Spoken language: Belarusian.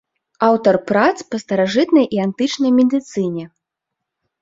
Аўтар прац па старажытнай і антычнай медыцыне.